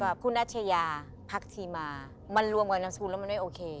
กับคุณนัชยาพักทีมามันรวมกับนามสกุลแล้วมันไม่โอเค